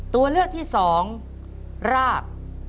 ตัวเลือกที่๒ราก